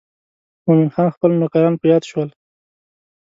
مومن خان خپل نوکران په یاد شول.